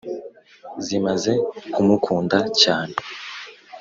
zimaze kumukunda cyane,